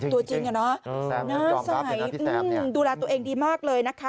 ตัวจริงน่าใส่ดูแลตัวเองดีมากเลยนะคะ